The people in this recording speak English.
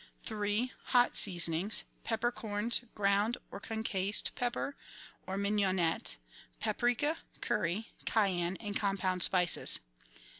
3. Hot seasonings. — Peppercorns, ground or concassed pepper, or mignonette; paprika, curry, cayenne, and com pound spices.